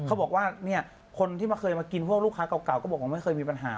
เขาบอกว่าเนี่ยคนที่มาเคยมากินพวกลูกค้าเก่าก็บอกว่าไม่เคยมีปัญหา